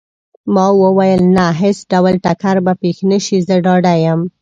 ما وویل: نه، هیڅ ډول ټکر به پېښ نه شي، زه ډاډه یم.